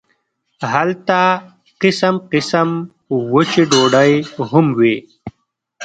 هلته قسم قسم وچې ډوډۍ هم وې.